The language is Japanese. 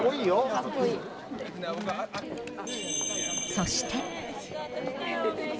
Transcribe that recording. そして。